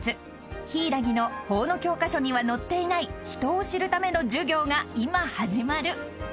［柊木の法の教科書には載っていない人を知るための授業が今始まる］